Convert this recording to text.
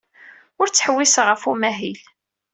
La ttḥewwiseɣ ɣef umahil.